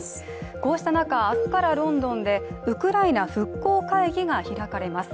こうした中明日からロンドンでウクライナ復興会議が開かれます。